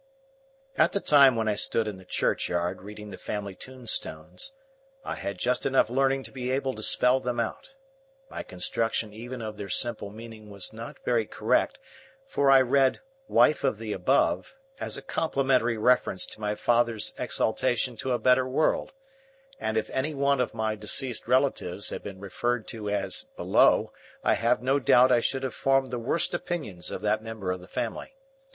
At the time when I stood in the churchyard reading the family tombstones, I had just enough learning to be able to spell them out. My construction even of their simple meaning was not very correct, for I read "wife of the Above" as a complimentary reference to my father's exaltation to a better world; and if any one of my deceased relations had been referred to as "Below," I have no doubt I should have formed the worst opinions of that member of the family.